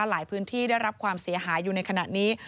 หลายพื้นที่ได้รับความเสียหายอยู่ในขณะนี้